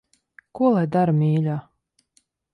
Ko lai dara, mīļā.